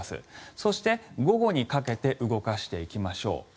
そして、午後にかけて動かしていきましょう。